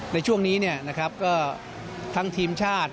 ในช่วงนี้นะครับก็ทั้งทีมชาติ